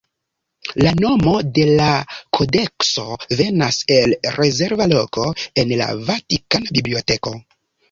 La nomo de la kodekso venas el rezerva loko en la Vatikana biblioteko.